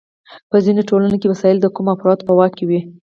په ځینو ټولنو کې وسایل د کمو افرادو په واک کې وي.